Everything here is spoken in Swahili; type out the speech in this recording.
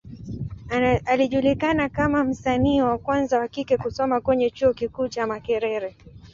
Alijulikana kama msanii wa kwanza wa kike kusoma kwenye Chuo kikuu cha Makerere.